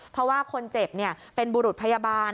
เพราะว่าคนเจ็บเป็นบุรุษพยาบาล